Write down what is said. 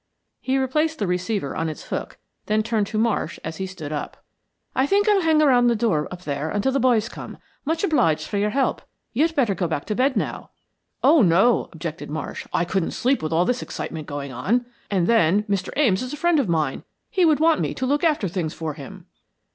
He replaced the receiver on its hook; then turned to Marsh as he stood up. "I think I'll hang around the door up there until the boys come. Much obliged for your help. You'd better get back to bed now." "Oh, no," objected Marsh. "I couldn't sleep with all this excitement going on. And then Mr. Ames is a friend of mine. He would want me to look after things for him."